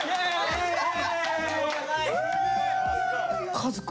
和子